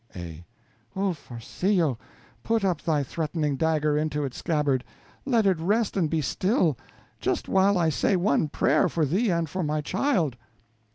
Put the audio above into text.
A. Oh, Farcillo, put up thy threatening dagger into its scabbard; let it rest and be still, just while I say one prayer for thee and for my child.